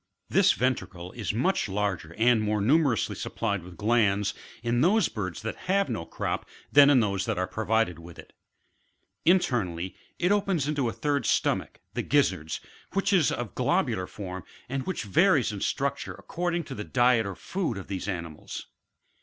This ventricle is much larger, and more numerously supplied with glands, in those birds that have no crop, than in those that are provided with it Internally, it opens into a third stomach, the gizzards w^hich is of a globular form, and varies in structure ac cording to the diet or food of these animals.